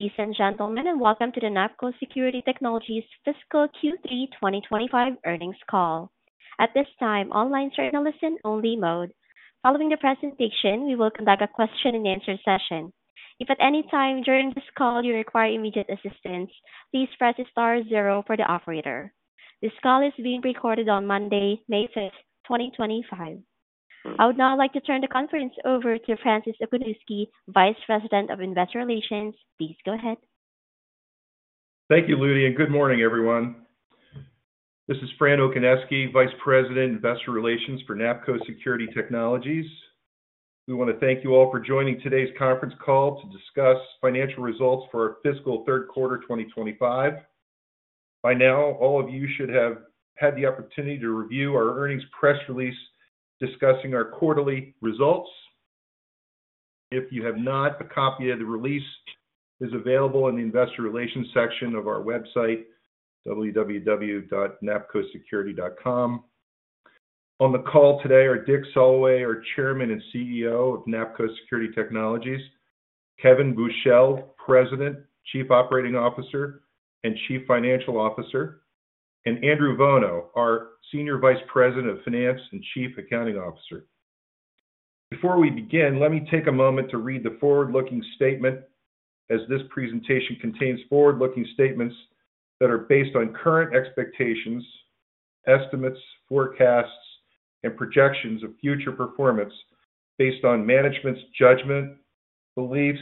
Ladies and gentlemen, and welcome to the NAPCO Security Technologies fiscal Q3 2025 earnings call. At this time, all lines are in a listen-only mode. Following the presentation, we will conduct a question-and-answer session. If at any time during this call you require immediate assistance, please press the star zero for the operator. This call is being recorded on Monday, May 5th, 2025. I would now like to turn the conference over to Francis Okoniewski, Vice President of Investor Relations. Please go ahead. Thank you, Lydia, and good morning, everyone. This is Francis Okoniewski, Vice President, Investor Relations for NAPCO Security Technologies. We want to thank you all for joining today's conference call to discuss financial results for our fiscal third quarter 2025. By now, all of you should have had the opportunity to review our earnings press release discussing our quarterly results. If you have not, a copy of the release is available in the Investor Relations section of our website, www.napcosecurity.com. On the call today are Dick Soloway, our Chairman and CEO of NAPCO Security Technologies, Kevin Buchel, President, Chief Operating Officer and Chief Financial Officer, and Andrew Vuono, our Senior Vice President of Finance and Chief Accounting Officer. Before we begin, let me take a moment to read the forward-looking statement, as this presentation contains forward-looking statements that are based on current expectations, estimates, forecasts, and projections of future performance based on management's judgment, beliefs,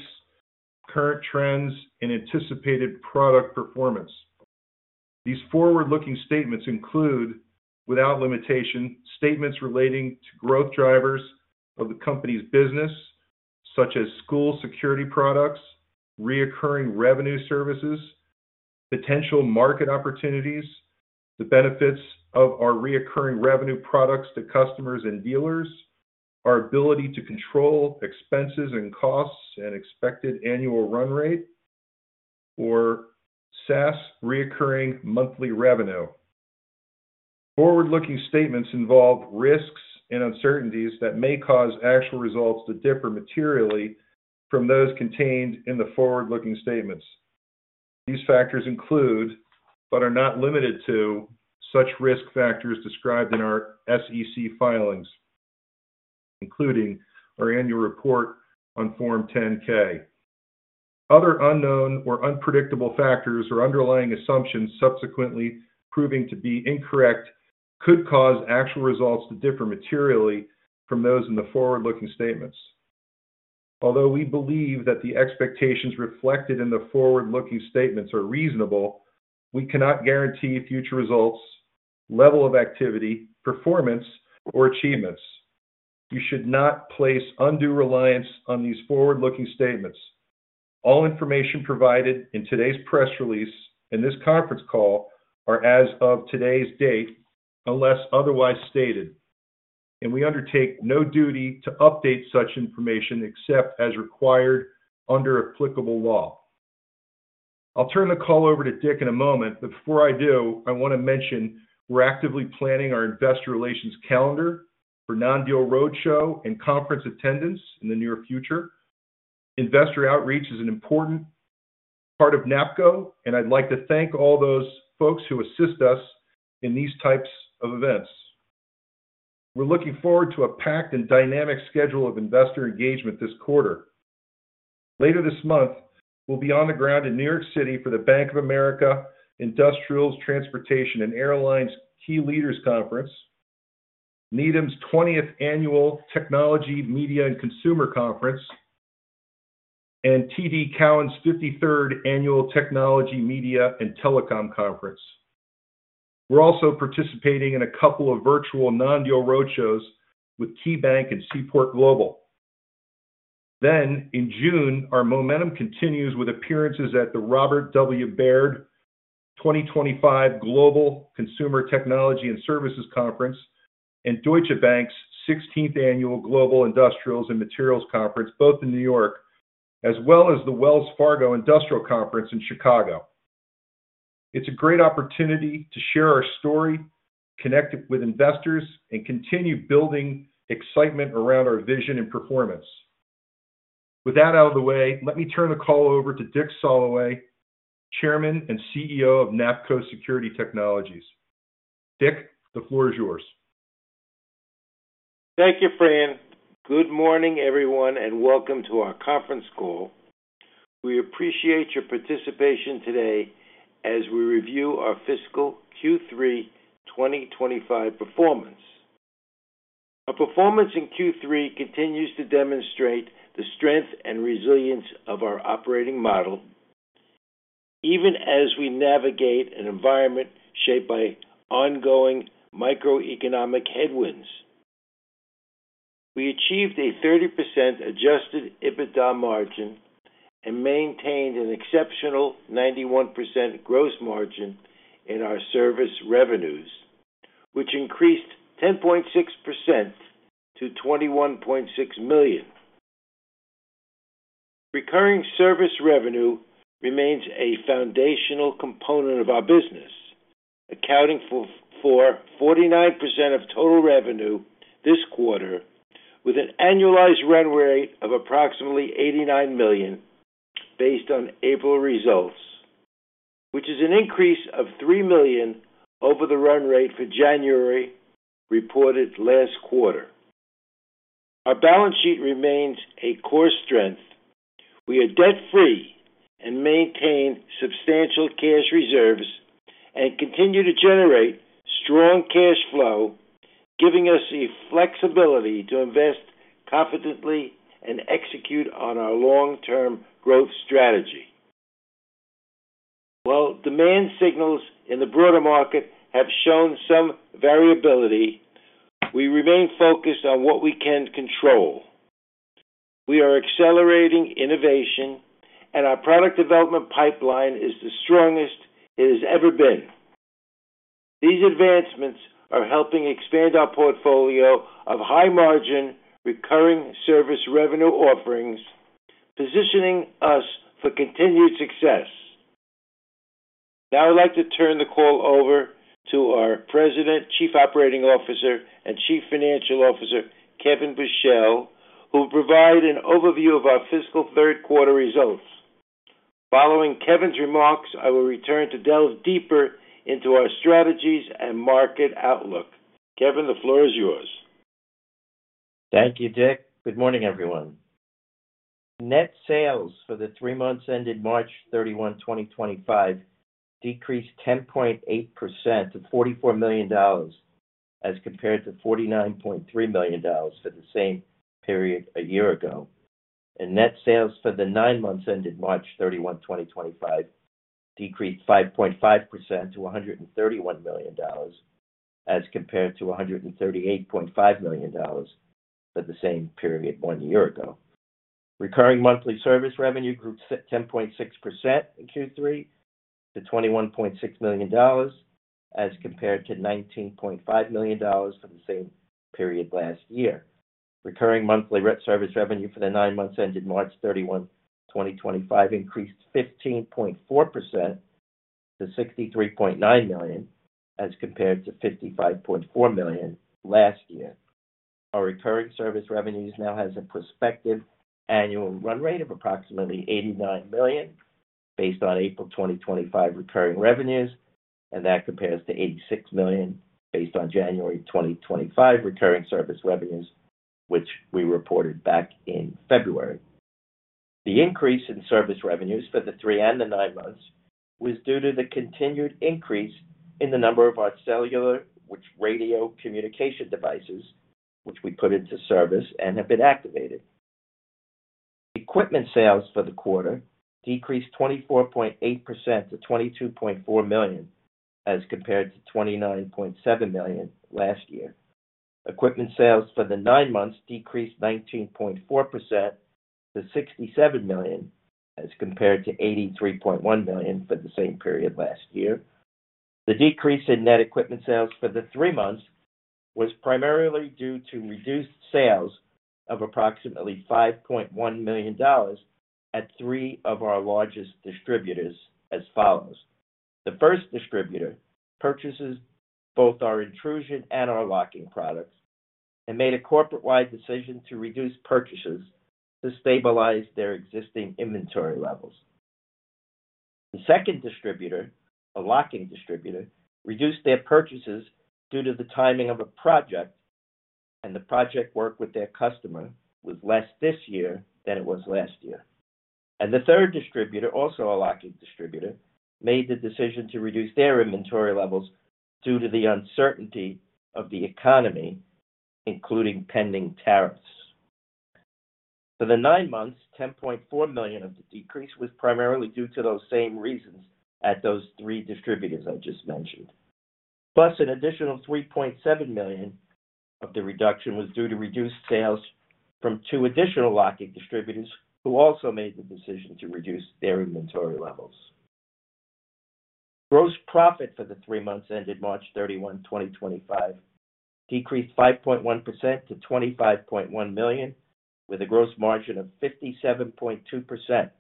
current trends, and anticipated product performance. These forward-looking statements include, without limitation, statements relating to growth drivers of the company's business, such as school security products, recurring revenue services, potential market opportunities, the benefits of our recurring revenue products to customers and dealers, our ability to control expenses and costs, and expected annual run rate, or SaaS recurring monthly revenue. Forward-looking statements involve risks and uncertainties that may cause actual results to differ materially from those contained in the forward-looking statements. These factors include, but are not limited to, such risk factors described in our SEC filings, including our annual report on Form 10-K. Other unknown or unpredictable factors or underlying assumptions subsequently proving to be incorrect could cause actual results to differ materially from those in the forward-looking statements. Although we believe that the expectations reflected in the forward-looking statements are reasonable, we cannot guarantee future results, level of activity, performance, or achievements. You should not place undue reliance on these forward-looking statements. All information provided in today's press release and this conference call are as of today's date unless otherwise stated, and we undertake no duty to update such information except as required under applicable law. I'll turn the call over to Dick in a moment, but before I do, I want to mention we're actively planning our Investor Relations calendar for non-deal roadshow and conference attendance in the near future. Investor outreach is an important part of NAPCO, and I'd like to thank all those folks who assist us in these types of events. We're looking forward to a packed and dynamic schedule of investor engagement this quarter. Later this month, we'll be on the ground in New York City for the Bank of America Industrials, Transportation, and Airlines Key Leaders Conference, Needham & Company 20th Annual Technology, Media, and Consumer Conference, and TD Cowen's 53rd Annual Technology, Media, and Telecom Conference. We're also participating in a couple of virtual non-deal roadshows with KeyBank and Seaport Global. In June, our momentum continues with appearances at the Robert W. Baird 2025 Global Consumer Technology and Services Conference and Deutsche Bank's 16th Annual Global Industrials and Materials Conference, both in New York, as well as the Wells Fargo Industrials Conference in Chicago. It's a great opportunity to share our story, connect with investors, and continue building excitement around our vision and performance. With that out of the way, let me turn the call over to Dick Soloway, Chairman and CEO of NAPCO Security Technologies. Dick, the floor is yours. Thank you, Francis. Good morning, everyone, and welcome to our conference call. We appreciate your participation today as we review our fiscal Q3 2025 performance. Our performance in Q3 continues to demonstrate the strength and resilience of our operating model, even as we navigate an environment shaped by ongoing macroeconomic headwinds. We achieved a 30% adjusted EBITDA margin and maintained an exceptional 91% gross margin in our service revenues, which increased 10.6% to $21.6 million. Recurring service revenue remains a foundational component of our business, accounting for 49% of total revenue this quarter, with an annualized run rate of approximately $89 million based on April results, which is an increase of $3 million over the run rate for January reported last quarter. Our balance sheet remains a core strength. We are debt-free and maintain substantial cash reserves and continue to generate strong cash flow, giving us the flexibility to invest competently and execute on our long-term growth strategy. While demand signals in the broader market have shown some variability, we remain focused on what we can control. We are accelerating innovation, and our product development pipeline is the strongest it has ever been. These advancements are helping expand our portfolio of high-margin recurring service revenue offerings, positioning us for continued success. Now, I'd like to turn the call over to our President, Chief Operating Officer, and Chief Financial Officer, Kevin Buchel, who will provide an overview of our fiscal third quarter results. Following Kevin's remarks, I will return to delve deeper into our strategies and market outlook. Kevin, the floor is yours. Thank you, Dick. Good morning, everyone. Net sales for the three months ended March 31, 2025, decreased 10.8% to $44 million as compared to $49.3 million for the same period a year ago. Net sales for the nine months ended March 31, 2025, decreased 5.5% to $131 million as compared to $138.5 million for the same period one year ago. Recurring monthly service revenue grew 10.6% in Q3 to $21.6 million as compared to $19.5 million for the same period last year. Recurring monthly service revenue for the nine months ended March 31, 2025, increased 15.4% to $63.9 million as compared to $55.4 million last year. Our recurring service revenues now have a prospective annual run rate of approximately $89 million based on April 2025 recurring revenues, and that compares to $86 million based on January 2025 recurring service revenues, which we reported back in February. The increase in service revenues for the three and the nine months was due to the continued increase in the number of our cellular radio communication devices, which we put into service and have been activated. Equipment sales for the quarter decreased 24.8% to $22.4 million as compared to $29.7 million last year. Equipment sales for the nine months decreased 19.4% to $67 million as compared to $83.1 million for the same period last year. The decrease in net equipment sales for the three months was primarily due to reduced sales of approximately $5.1 million at three of our largest distributors as follows. The first distributor purchases both our intrusion and our locking products and made a corporate-wide decision to reduce purchases to stabilize their existing inventory levels. The second distributor, a locking distributor, reduced their purchases due to the timing of a project, and the project work with their customer was less this year than it was last year. The third distributor, also a locking distributor, made the decision to reduce their inventory levels due to the uncertainty of the economy, including pending tariffs. For the nine months, $10.4 million of the decrease was primarily due to those same reasons at those three distributors I just mentioned. Plus, an additional $3.7 million of the reduction was due to reduced sales from two additional locking distributors who also made the decision to reduce their inventory levels. Gross profit for the three months ended March 31, 2025, decreased 5.1% to $25.1 million, with a gross margin of 57.2%,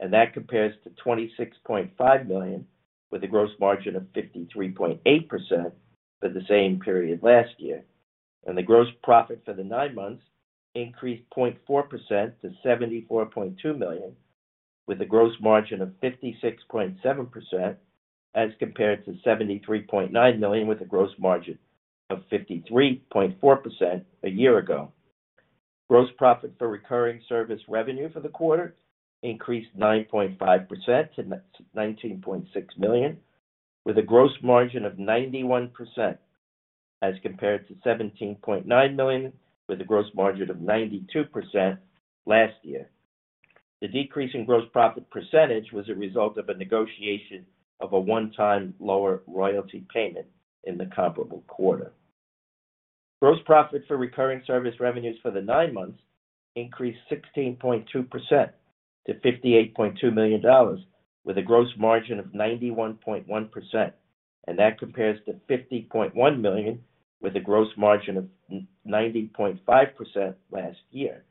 and that compares to $26.5 million, with a gross margin of 53.8% for the same period last year. Gross profit for the nine months increased 0.4% to $74.2 million, with a gross margin of 56.7% as compared to $73.9 million, with a gross margin of 53.4% a year ago. Gross profit for recurring service revenue for the quarter increased 9.5% to $19.6 million, with a gross margin of 91% as compared to $17.9 million, with a gross margin of 92% last year. The decrease in gross profit percentage was a result of a negotiation of a one-time lower royalty payment in the comparable quarter. Gross profit for recurring service revenues for the nine months increased 16.2% to $58.2 million, with a gross margin of 91.1%, and that compares to $50.1 million, with a gross margin of 90.5% last year.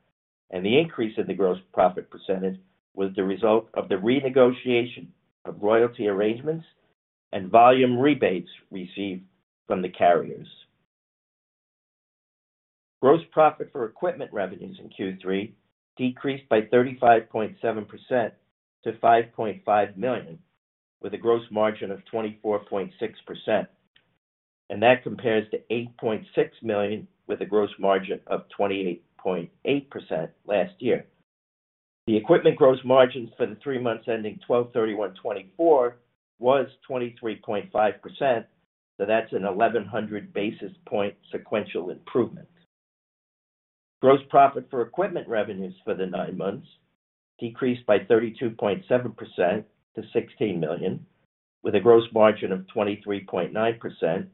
The increase in the gross profit percentage was the result of the renegotiation of royalty arrangements and volume rebates received from the carriers. Gross profit for equipment revenues in Q3 decreased by 35.7% to $5.5 million, with a gross margin of 24.6%, and that compares to $8.6 million, with a gross margin of 28.8% last year. The equipment gross margins for the three months ending 12/31/2024 was 23.5%, so that's an 1,100 basis point sequential improvement. Gross profit for equipment revenues for the nine months decreased by 32.7% to $16 million, with a gross margin of 23.9%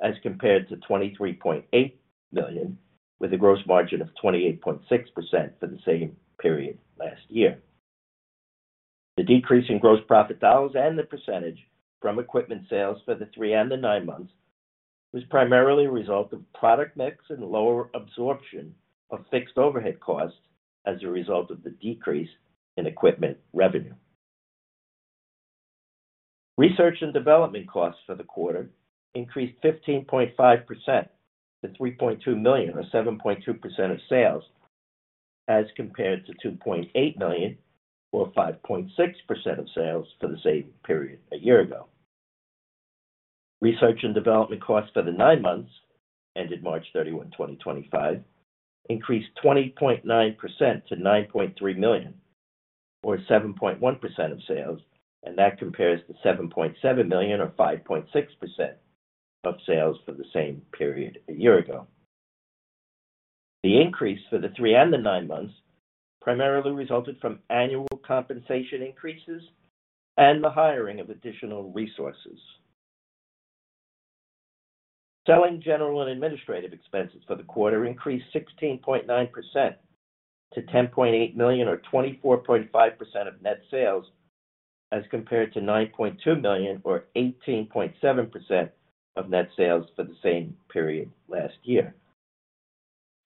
as compared to $23.8 million, with a gross margin of 28.6% for the same period last year. The decrease in gross profit dollars and the percentage from equipment sales for the three and the nine months was primarily a result of product mix and lower absorption of fixed overhead costs as a result of the decrease in equipment revenue. Research and development costs for the quarter increased 15.5% to $3.2 million, or 7.2% of sales, as compared to $2.8 million, or 5.6% of sales for the same period a year ago. Research and development costs for the nine months ended March 31, 2025, increased 20.9% to $9.3 million, or 7.1% of sales, and that compares to $7.7 million, or 5.6% of sales for the same period a year ago. The increase for the three and the nine months primarily resulted from annual compensation increases and the hiring of additional resources. Selling general and administrative expenses for the quarter increased 16.9% to $10.8 million, or 24.5% of net sales, as compared to $9.2 million, or 18.7% of net sales for the same period last year.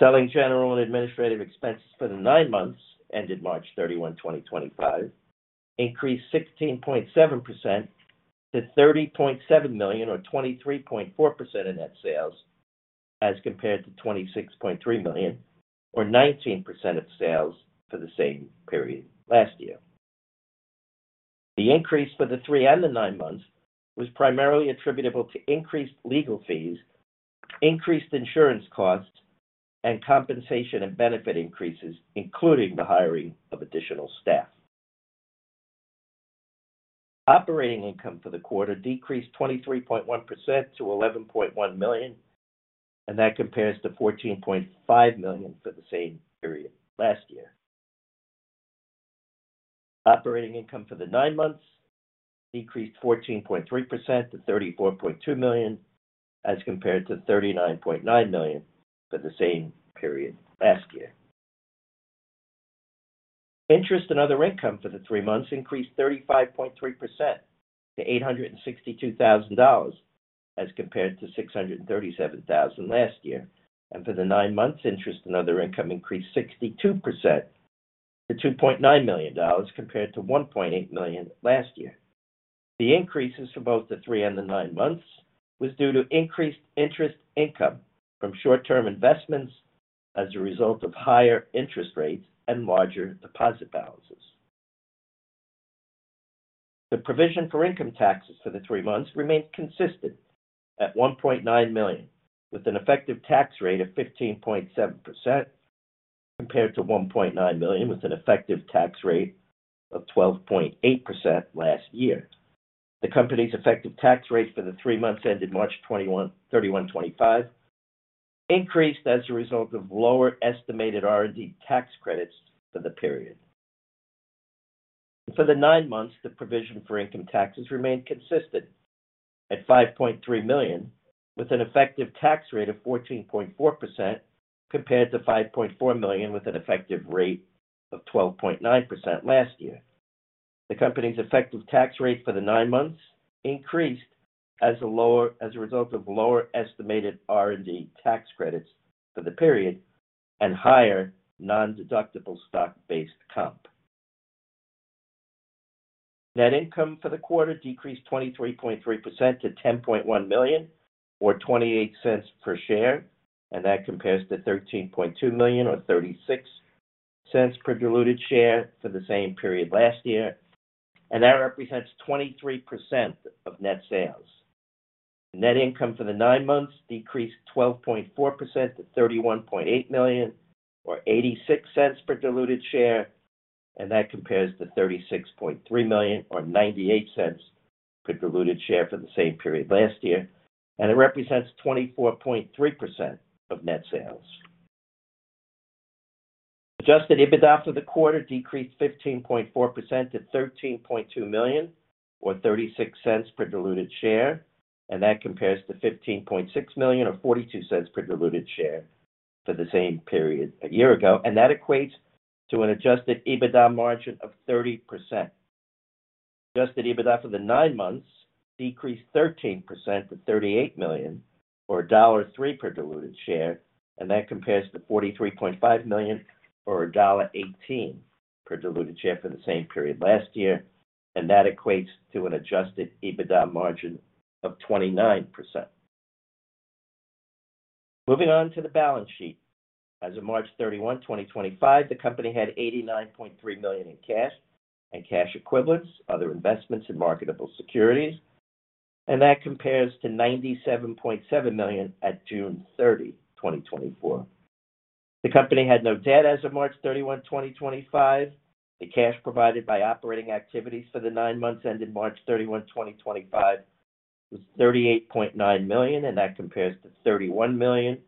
Selling general and administrative expenses for the nine months ended March 31, 2025, increased 16.7% to $30.7 million, or 23.4% of net sales, as compared to $26.3 million, or 19% of sales for the same period last year. The increase for the three and the nine months was primarily attributable to increased legal fees, increased insurance costs, and compensation and benefit increases, including the hiring of additional staff. Operating income for the quarter decreased 23.1% to $11.1 million, and that compares to $14.5 million for the same period last year. Operating income for the nine months decreased 14.3% to $34.2 million, as compared to $39.9 million for the same period last year. Interest and other income for the three months increased 35.3% to $862,000, as compared to $637,000 last year. For the nine months, interest and other income increased 62% to $2.9 million, compared to $1.8 million last year. The increases for both the three and the nine months were due to increased interest income from short-term investments as a result of higher interest rates and larger deposit balances. The provision for income taxes for the three months remained consistent at $1.9 million, with an effective tax rate of 15.7%, compared to $1.9 million with an effective tax rate of 12.8% last year. The company's effective tax rate for the three months ended March 31, 2025, increased as a result of lower estimated R&D tax credits for the period. For the nine months, the provision for income taxes remained consistent at $5.3 million, with an effective tax rate of 14.4%, compared to $5.4 million with an effective rate of 12.9% last year. The company's effective tax rate for the nine months increased as a result of lower estimated R&D tax credits for the period and higher non-deductible stock-based comp. Net income for the quarter decreased 23.3% to $10.1 million, or $0.28 per share, and that compares to $13.2 million, or $0.36 per diluted share for the same period last year, and that represents 23% of net sales. Net income for the nine months decreased 12.4% to $31.8 million, or $0.86 per diluted share, and that compares to $36.3 million, or $0.98 per diluted share for the same period last year, and it represents 24.3% of net sales. Adjusted EBITDA for the quarter decreased 15.4% to $13.2 million, or $0.36 per diluted share, and that compares to $15.6 million, or $0.42 per diluted share for the same period a year ago, and that equates to an adjusted EBITDA margin of 30%. Adjusted EBITDA for the nine months decreased 13% to $38 million, or $1.03 per diluted share, and that compares to $43.5 million, or $1.18 per diluted share for the same period last year, and that equates to an adjusted EBITDA margin of 29%. Moving on to the balance sheet. As of March 31, 2025, the company had $89.3 million in cash and cash equivalents, other investments, and marketable securities, and that compares to $97.7 million at June 30, 2024. The company had no debt as of March 31, 2025. The cash provided by operating activities for the nine months ended March 31, 2025, was $38.9 million, and that compares to $31 million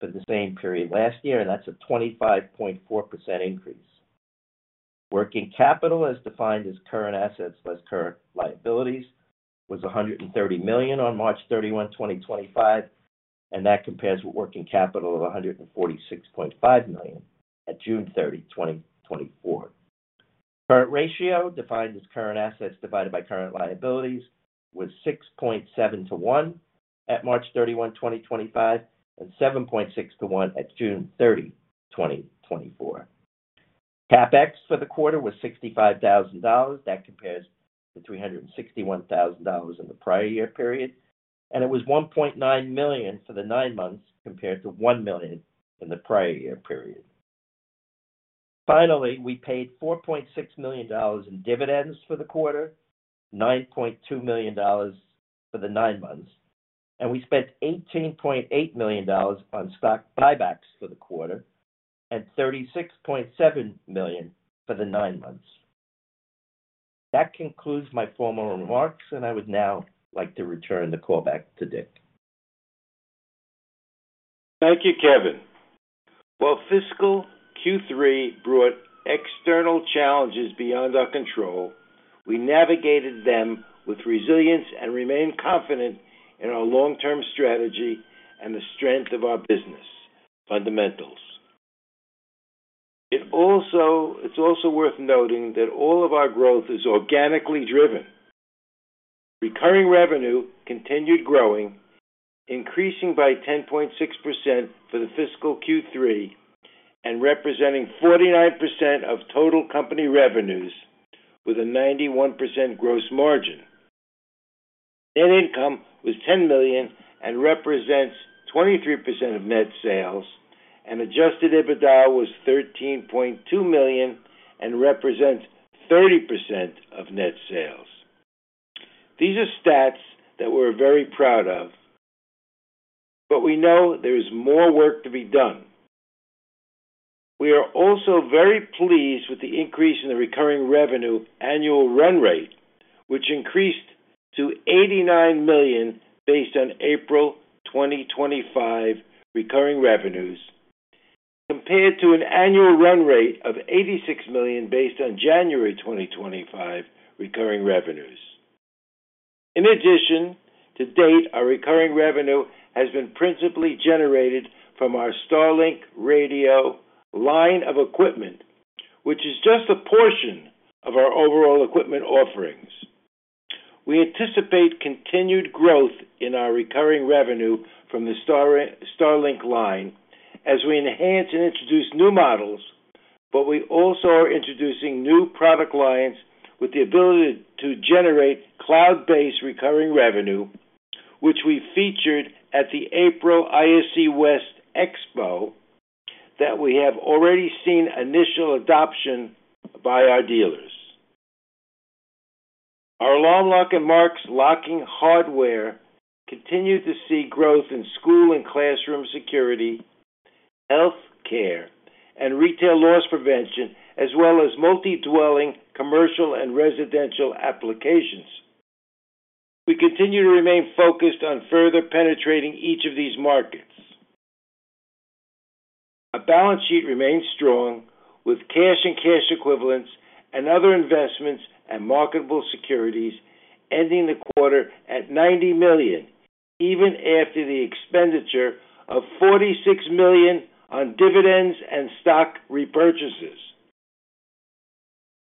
for the same period last year, and that's a 25.4% increase. Working capital, as defined as current assets less current liabilities, was $130 million on March 31, 2025, and that compares with working capital of $146.5 million at June 30, 2024. Current ratio, defined as current assets divided by current liabilities, was 6.7 to 1 at March 31, 2025, and 7.6 to 1 at June 30, 2024. CapEx for the quarter was $65,000. That compares to $361,000 in the prior year period, and it was $1.9 million for the nine months compared to $1 million in the prior year period. Finally, we paid $4.6 million in dividends for the quarter, $9.2 million for the nine months, and we spent $18.8 million on stock buybacks for the quarter and $36.7 million for the nine months. That concludes my formal remarks, and I would now like to return the call back to Dick. Thank you, Kevin. While fiscal Q3 brought external challenges beyond our control, we navigated them with resilience and remained confident in our long-term strategy and the strength of our business fundamentals. It's also worth noting that all of our growth is organically driven. Recurring revenue continued growing, increasing by 10.6% for the fiscal Q3 and representing 49% of total company revenues, with a 91% gross margin. Net income was $10 million and represents 23% of net sales, and adjusted EBITDA was $13.2 million and represents 30% of net sales. These are stats that we're very proud of, but we know there is more work to be done. We are also very pleased with the increase in the recurring revenue annual run rate, which increased to $89 million based on April 2025 recurring revenues, compared to an annual run rate of $86 million based on January 2025 recurring revenues. In addition, to date, our recurring revenue has been principally generated from our StarLink radio line of equipment, which is just a portion of our overall equipment offerings. We anticipate continued growth in our recurring revenue from the StarLink line as we enhance and introduce new models, but we also are introducing new product lines with the ability to generate cloud-based recurring revenue, which we featured at the April ISC West Expo that we have already seen initial adoption by our dealers. Our Alarm Lock and Marks locking hardware continue to see growth in school and classroom security, healthcare, and retail loss prevention, as well as multi-dwelling commercial and residential applications. We continue to remain focused on further penetrating each of these markets. Our balance sheet remains strong, with cash and cash equivalents and other investments and marketable securities ending the quarter at $90 million, even after the expenditure of $46 million on dividends and stock repurchases.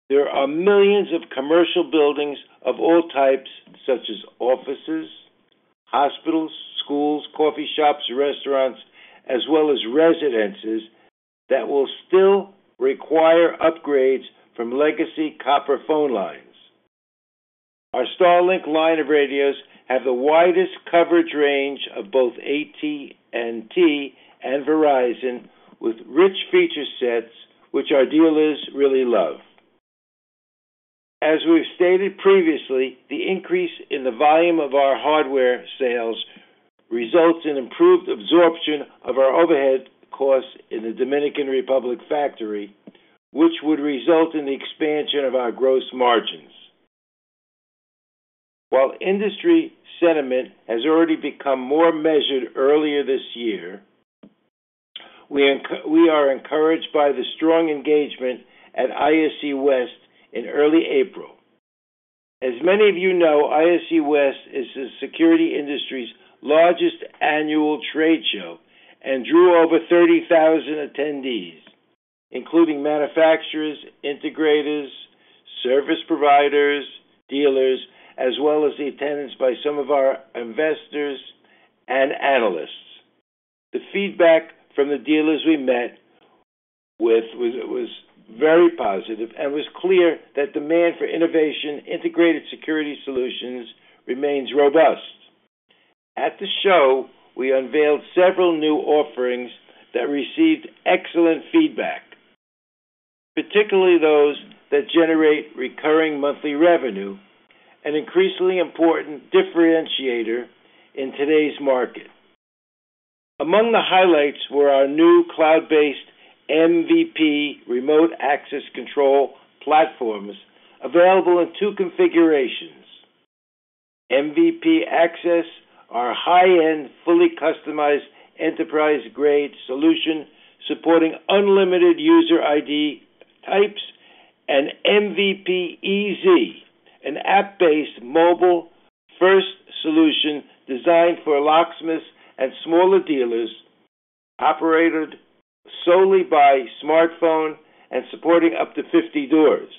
There are millions of commercial buildings of all types, such as offices, hospitals, schools, coffee shops, restaurants, as well as residences that will still require upgrades from legacy copper phone lines. Our StarLink line of radios have the widest coverage range of both AT&T and Verizon, with rich feature sets which our dealers really love. As we've stated previously, the increase in the volume of our hardware sales results in improved absorption of our overhead costs in the Dominican Republic factory, which would result in the expansion of our gross margins. While industry sentiment has already become more measured earlier this year, we are encouraged by the strong engagement at ISC West in early April. As many of you know, ISC West is the security industry's largest annual trade show and drew over 30,000 attendees, including manufacturers, integrators, service providers, dealers, as well as the attendance by some of our investors and analysts. The feedback from the dealers we met with was very positive, and it was clear that demand for innovation integrated security solutions remains robust. At the show, we unveiled several new offerings that received excellent feedback, particularly those that generate recurring monthly revenue, an increasingly important differentiator in today's market. Among the highlights were our new cloud-based MVP remote access control platforms available in two configurations. MVP Access, our high-end fully customized enterprise-grade solution supporting unlimited user ID types, and MVP EZ, an app-based mobile-first solution designed for smaller dealers, operated solely by smartphone and supporting up to 50 doors.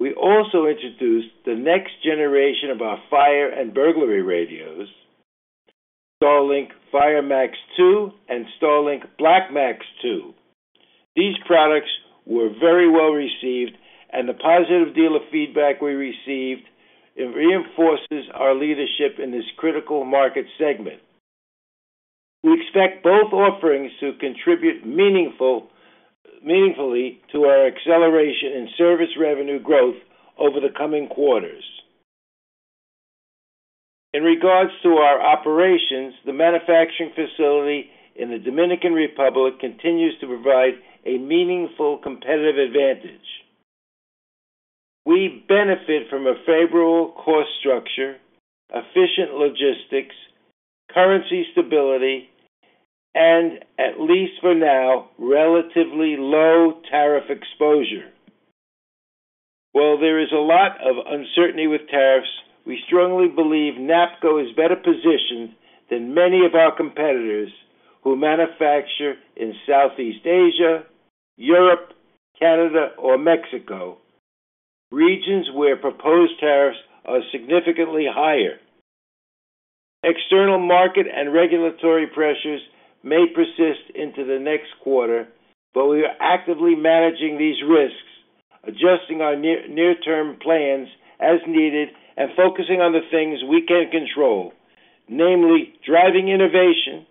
We also introduced the next generation of our fire and burglary radios, StarLink Fire MAX 2 and StarLink Black Max2. These products were very well received, and the positive dealer feedback we received reinforces our leadership in this critical market segment. We expect both offerings to contribute meaningfully to our acceleration in service revenue growth over the coming quarters. In regards to our operations, the manufacturing facility in the Dominican Republic continues to provide a meaningful competitive advantage. We benefit from a favorable cost structure, efficient logistics, currency stability, and, at least for now, relatively low tariff exposure. While there is a lot of uncertainty with tariffs, we strongly believe NAPCO is better positioned than many of our competitors who manufacture in Southeast Asia, Europe, Canada, or Mexico, regions where proposed tariffs are significantly higher. External market and regulatory pressures may persist into the next quarter, but we are actively managing these risks, adjusting our near-term plans as needed, and focusing on the things we can control, namely driving innovation,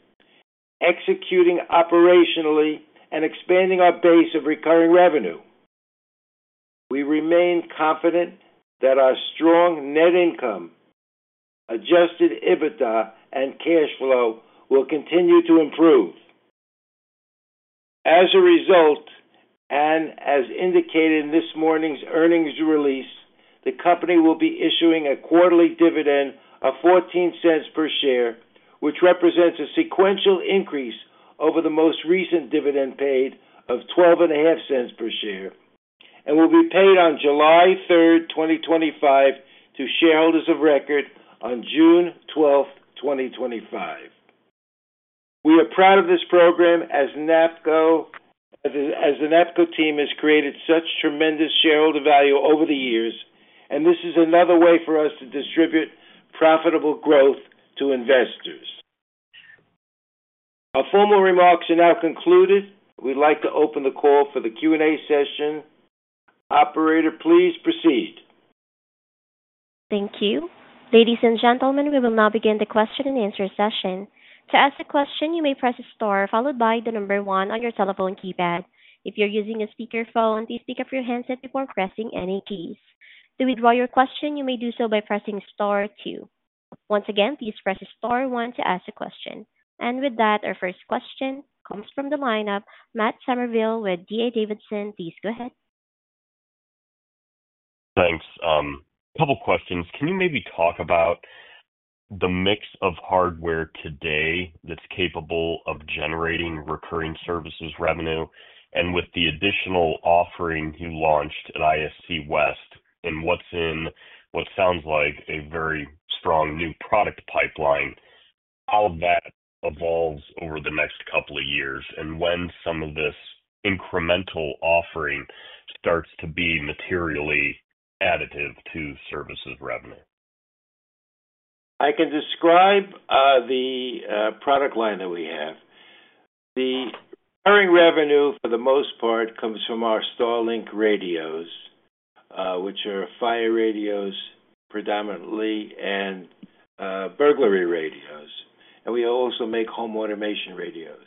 executing operationally, and expanding our base of recurring revenue. We remain confident that our strong net income, adjusted EBITDA, and cash flow will continue to improve. As a result, and as indicated in this morning's earnings release, the company will be issuing a quarterly dividend of $0.14 per share, which represents a sequential increase over the most recent dividend paid of $0.12 per share, and will be paid on July 3, 2025, to shareholders of record on June 12, 2025. We are proud of this program as NAPCO team has created such tremendous shareholder value over the years, and this is another way for us to distribute profitable growth to investors. Our formal remarks are now concluded. We'd like to open the call for the Q&A session. Operator, please proceed. Thank you. Ladies and gentlemen, we will now begin the question and answer session. To ask a question, you may press Star followed by the number one on your telephone keypad. If you're using a speakerphone, please pick up your handset before pressing any keys. To withdraw your question, you may do so by pressing Star two. Once again, please press Star one to ask a question. With that, our first question comes from the lineup, Matt Summerville with D.A. Davidson. Please go ahead. Thanks. A couple of questions. Can you maybe talk about the mix of hardware today that's capable of generating recurring services revenue and with the additional offering you launched at ISC West and what's in what sounds like a very strong new product pipeline, how that evolves over the next couple of years and when some of this incremental offering starts to be materially additive to services revenue? I can describe the product line that we have. The recurring revenue, for the most part, comes from our StarLink Radios, which are fire radios predominantly and burglary radios. We also make home automation radios.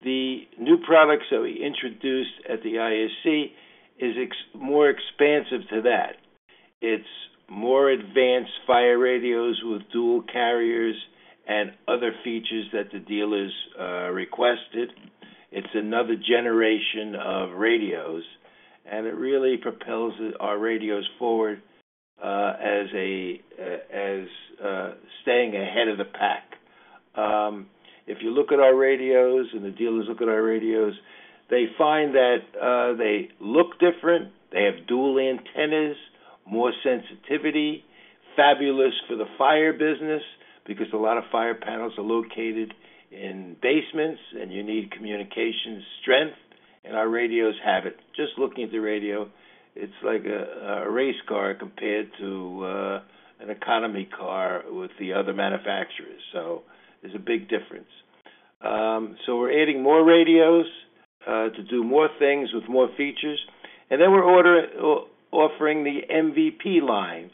The new products that we introduced at the ISC are more expansive to that. It's more advanced fire radios with dual carriers and other features that the dealers requested. It's another generation of radios, and it really propels our radios forward as staying ahead of the pack. If you look at our radios and the dealers look at our radios, they find that they look different. They have dual antennas, more sensitivity, fabulous for the fire business because a lot of fire panels are located in basements, and you need communication strength, and our radios have it. Just looking at the radio, it's like a race car compared to an economy car with the other manufacturers. There is a big difference. We are adding more radios to do more things with more features. We are offering the MVP line,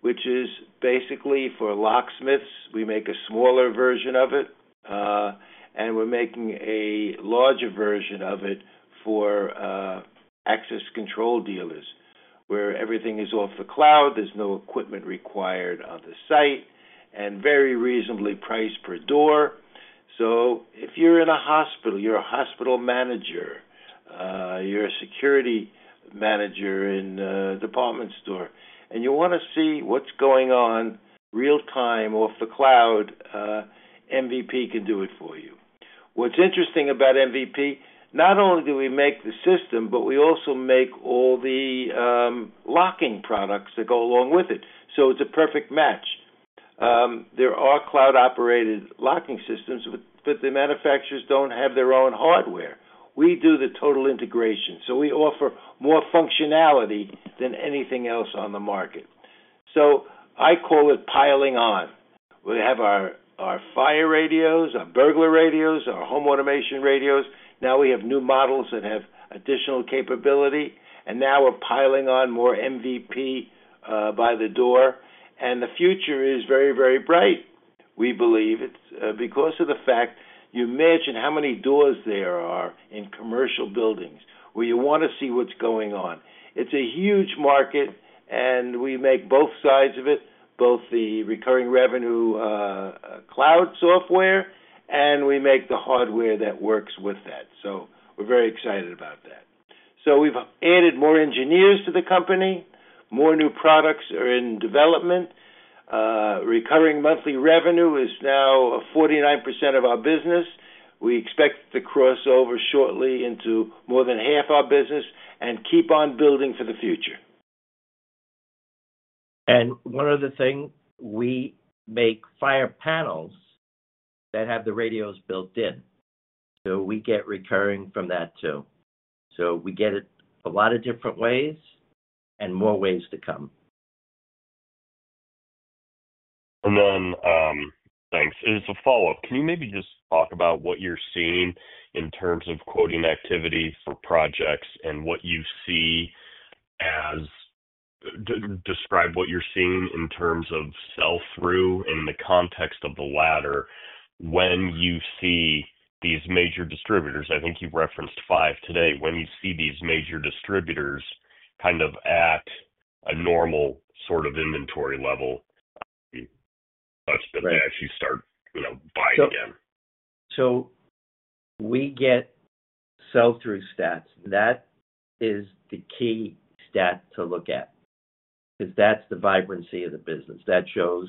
which is basically for locksmiths. We make a smaller version of it, and we are making a larger version of it for access control dealers where everything is off the cloud. There is no equipment required on the site and very reasonably priced per door. If you're in a hospital, you're a hospital manager, you're a security manager in a department store, and you want to see what's going on real-time off the cloud, MVP can do it for you. What's interesting about MVP, not only do we make the system, but we also make all the locking products that go along with it. It's a perfect match. There are cloud-operated locking systems, but the manufacturers don't have their own hardware. We do the total integration. We offer more functionality than anything else on the market. I call it piling on. We have our fire radios, our burglar radios, our home automation radios. Now we have new models that have additional capability, and now we're piling on more MVP by the door. The future is very, very bright. We believe it's because of the fact you imagine how many doors there are in commercial buildings where you want to see what's going on. It's a huge market, and we make both sides of it, both the recurring revenue cloud software, and we make the hardware that works with that. We're very excited about that. We've added more engineers to the company. More new products are in development. Recurring monthly revenue is now 49% of our business. We expect to cross over shortly into more than half our business and keep on building for the future. One other thing, we make fire panels that have the radios built in. We get recurring from that too. We get it a lot of different ways and more ways to come. Thanks. As a follow-up, can you maybe just talk about what you're seeing in terms of quoting activities for projects and what you see as describe what you're seeing in terms of sell-through in the context of the ladder when you see these major distributors? I think you've referenced five today. When you see these major distributors kind of at a normal sort of inventory level, how much do they actually start buying again? We get sell-through stats. That is the key stat to look at because that's the vibrancy of the business. That shows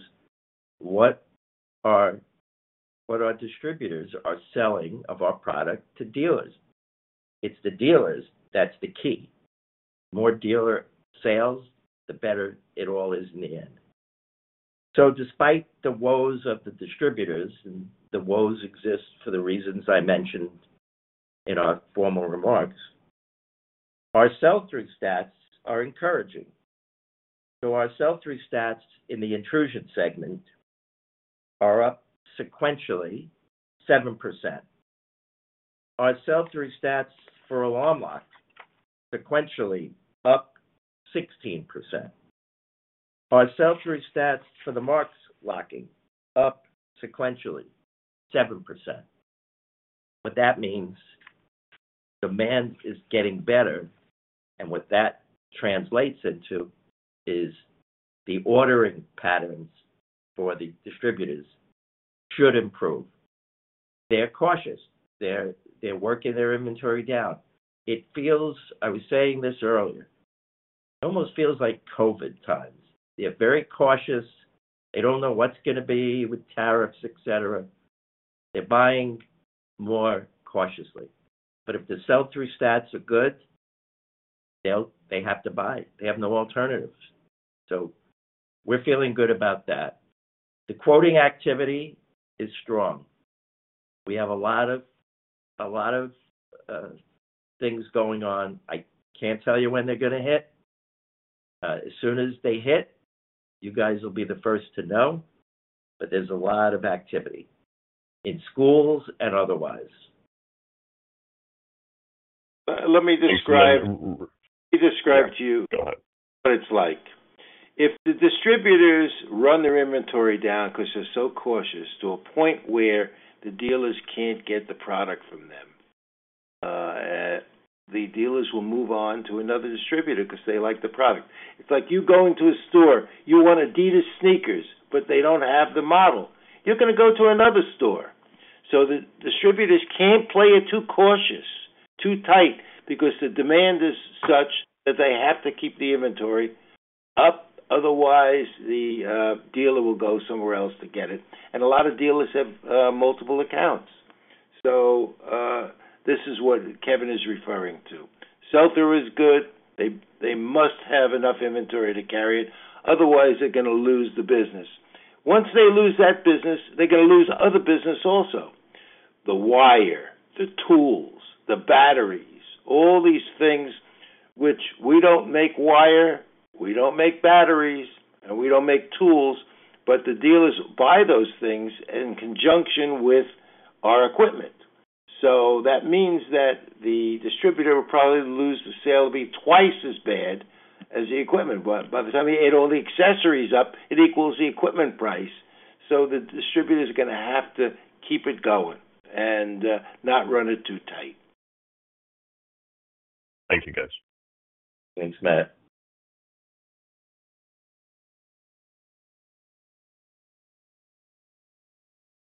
what our distributors are selling of our product to dealers. It's the dealers that's the key. The more dealer sales, the better it all is in the end. Despite the woes of the distributors, and the woes exist for the reasons I mentioned in our formal remarks, our sell-through stats are encouraging. Our sell-through stats in the intrusion segment are up sequentially 7%. Our sell-through stats for a long lock, sequentially up 16%. Our sell-through stats for the marks locking up sequentially 7%. What that means, demand is getting better, and what that translates into is the ordering patterns for the distributors should improve. They're cautious. They're working their inventory down. It feels, I was saying this earlier, it almost feels like COVID times. They're very cautious. They don't know what's going to be with tariffs, etc. They're buying more cautiously. If the sell-through stats are good, they have to buy. They have no alternatives. We're feeling good about that. The quoting activity is strong. We have a lot of things going on. I can't tell you when they're going to hit. As soon as they hit, you guys will be the first to know, but there's a lot of activity in schools and otherwise. Let me describe to you what it's like. If the distributors run their inventory down because they're so cautious to a point where the dealers can't get the product from them, the dealers will move on to another distributor because they like the product. It's like you going to a store. You want Adidas sneakers, but they don't have the model. You're going to go to another store. The distributors can't play it too cautious, too tight, because the demand is such that they have to keep the inventory up. Otherwise, the dealer will go somewhere else to get it. A lot of dealers have multiple accounts. This is what Kevin is referring to. Sell-through is good. They must have enough inventory to carry it. Otherwise, they're going to lose the business. Once they lose that business, they're going to lose other business also. The wire, the tools, the batteries, all these things, which we don't make wire, we don't make batteries, and we don't make tools, but the dealers buy those things in conjunction with our equipment. That means that the distributor will probably lose the sale to be twice as bad as the equipment. By the time they add all the accessories up, it equals the equipment price. The distributor is going to have to keep it going and not run it too tight. Thank you, guys. Thanks, Matt.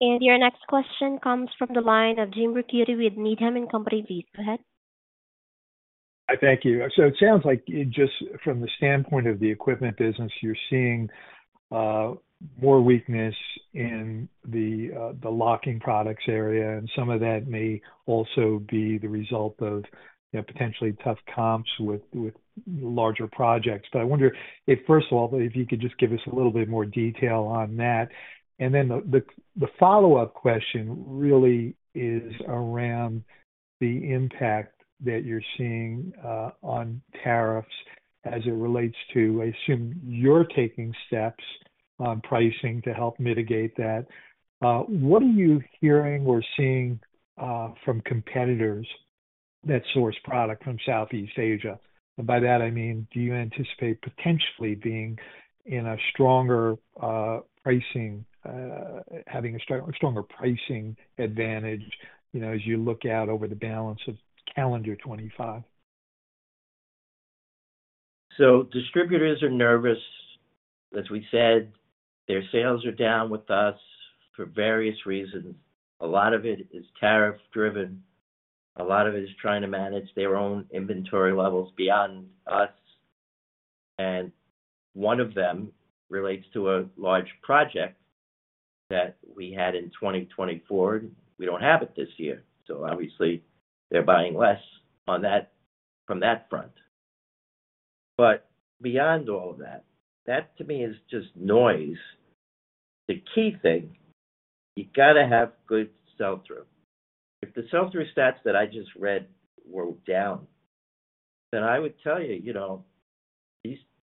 Your next question comes from the line of Jim Ricchiuti with Needham & Company. Please go ahead. Thank you. It sounds like just from the standpoint of the equipment business, you're seeing more weakness in the locking products area, and some of that may also be the result of potentially tough comps with larger projects. I wonder if, first of all, if you could just give us a little bit more detail on that. The follow-up question really is around the impact that you're seeing on tariffs as it relates to, I assume, your taking steps on pricing to help mitigate that. What are you hearing or seeing from competitors that source product from Southeast Asia? By that, I mean, do you anticipate potentially being in a stronger pricing, having a stronger pricing advantage as you look out over the balance of calendar 2025? Distributors are nervous. As we said, their sales are down with us for various reasons. A lot of it is tariff-driven. A lot of it is trying to manage their own inventory levels beyond us. One of them relates to a large project that we had in 2024. We do not have it this year. Obviously, they are buying less from that front. Beyond all of that, that to me is just noise. The key thing, you have to have good sell-through. If the sell-through stats that I just read were down, then I would tell you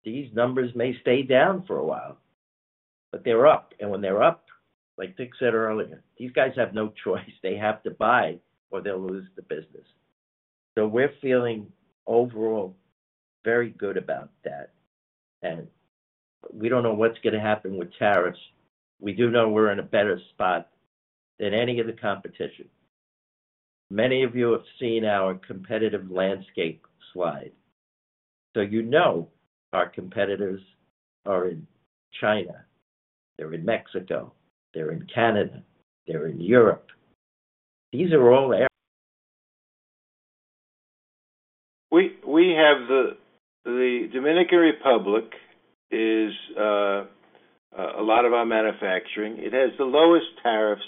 these numbers may stay down for a while, but they are up. When they are up, like I said earlier, these guys have no choice. They have to buy or they will lose the business. We are feeling overall very good about that. We do not know what is going to happen with tariffs. We do know we are in a better spot than any of the competition. Many of you have seen our competitive landscape slide. You know our competitors are in China. They're in Mexico. They're in Canada. They're in Europe. These are all. We have the Dominican Republic is a lot of our manufacturing. It has the lowest tariffs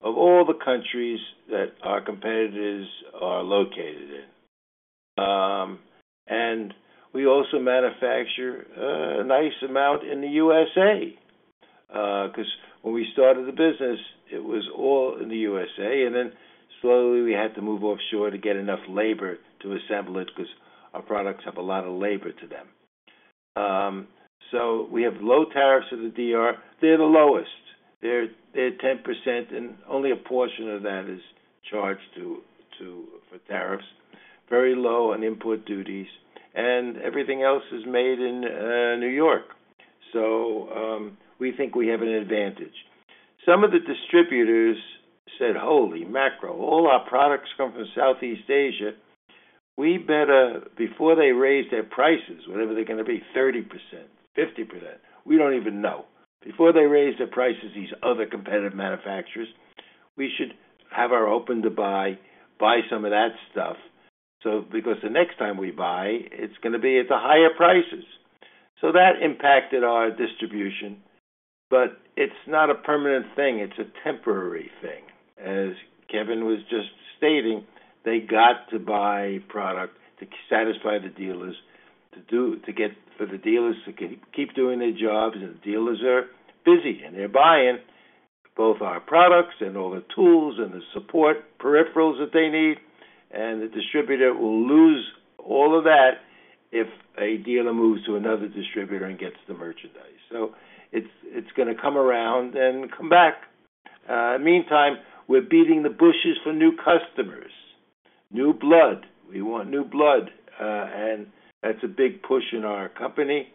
of all the countries that our competitors are located in. We also manufacture a nice amount in the USA because when we started the business, it was all in the USA. Then slowly, we had to move offshore to get enough labor to assemble it because our products have a lot of labor to them. We have low tariffs of the DR. They're the lowest. They're 10%, and only a portion of that is charged for tariffs. Very low on import duties. Everything else is made in New York. We think we have an advantage. Some of the distributors said, "Holy macro, all our products come from Southeast Asia." We better before they raise their prices, whatever they're going to be, 30%, 50%, we don't even know. Before they raise their prices, these other competitive manufacturers, we should have our open to buy, buy some of that stuff because the next time we buy, it's going to be at the higher prices. That impacted our distribution, but it's not a permanent thing. It's a temporary thing. As Kevin was just stating, they got to buy product to satisfy the dealers, to get for the dealers to keep doing their jobs. The dealers are busy, and they're buying both our products and all the tools and the support peripherals that they need. The distributor will lose all of that if a dealer moves to another distributor and gets the merchandise. It's going to come around and come back. Meantime, we're beating the bushes for new customers, new blood. We want new blood. That's a big push in our company.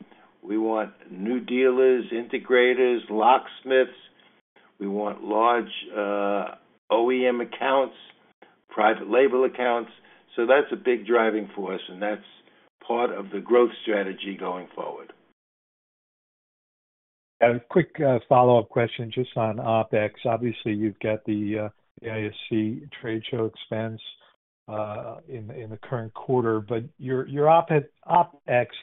We want new dealers, integrators, locksmiths. We want large OEM accounts, private label accounts. That's a big driving force, and that's part of the growth strategy going forward. A quick follow-up question just on OpEx. Obviously, you've got the ASC trade show expense in the current quarter, but your OpEx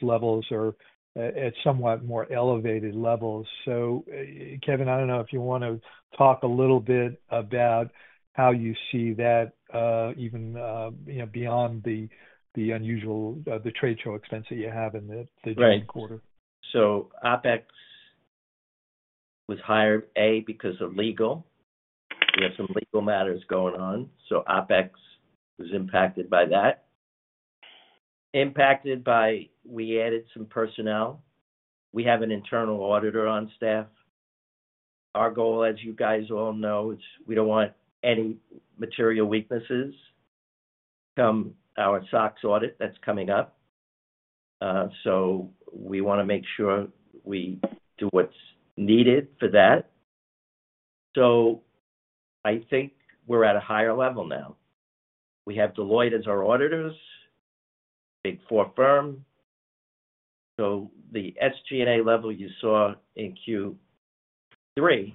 levels are at somewhat more elevated levels. Kevin, I don't know if you want to talk a little bit about how you see that even beyond the unusual trade show expense that you have in the quarter. OpEx was higher, A, because of legal. We have some legal matters going on. OpEx was impacted by that. Impacted by we added some personnel. We have an internal auditor on staff. Our goal, as you guys all know, is we do not want any material weaknesses. Come our SOX audit that is coming up. We want to make sure we do what is needed for that. I think we are at a higher level now. We have Deloitte as our auditors, a Big Four firm. The SG&A level you saw in Q3 is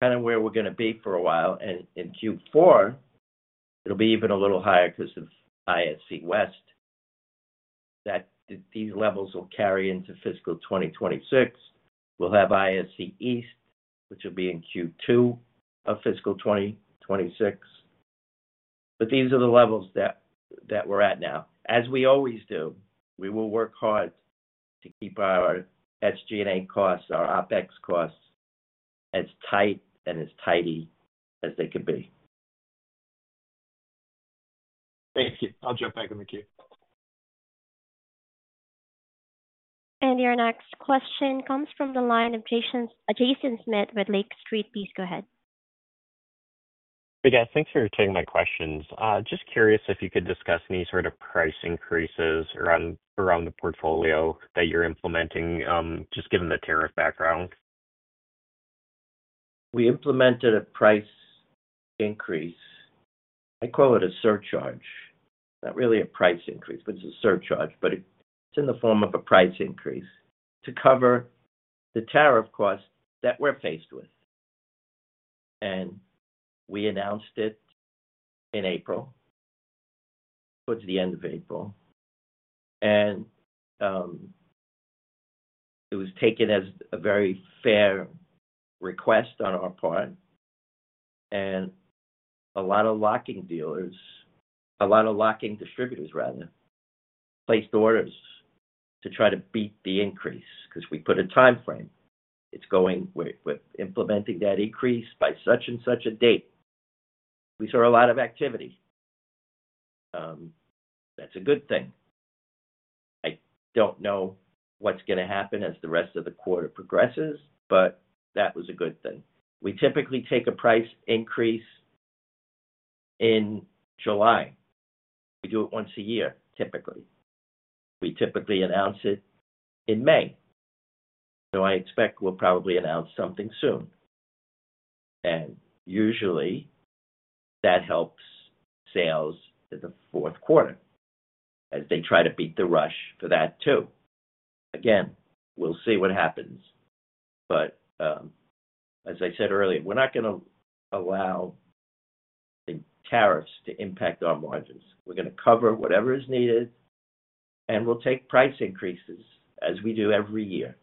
kind of where we are going to be for a while. In Q4, it will be even a little higher because of ISC West. These levels will carry into fiscal 2026. We will have ISC East, which will be in Q2 of fiscal 2026. These are the levels that we are at now. As we always do, we will work hard to keep our SG&A costs, our OPEX costs as tight and as tidy as they could be. Thank you. I'll jump back in the queue. Your next question comes from the line of Jason Smith with Lake Street. Please go ahead. Hey, guys. Thanks for taking my questions. Just curious if you could discuss any sort of price increases around the portfolio that you're implementing, just given the tariff background. We implemented a price increase. I call it a surcharge. Not really a price increase, but it's a surcharge. It is in the form of a price increase to cover the tariff costs that we're faced with. We announced it in April, towards the end of April. It was taken as a very fair request on our part. A lot of locking dealers, a lot of locking distributors, rather, placed orders to try to beat the increase because we put a timeframe. It's going, "We're implementing that increase by such and such a date." We saw a lot of activity. That's a good thing. I don't know what's going to happen as the rest of the quarter progresses, but that was a good thing. We typically take a price increase in July. We do it once a year, typically. We typically announce it in May. I expect we'll probably announce something soon. Usually, that helps sales in the fourth quarter as they try to beat the rush for that too. Again, we'll see what happens. As I said earlier, we're not going to allow tariffs to impact our margins. We're going to cover whatever is needed, and we'll take price increases as we do every year.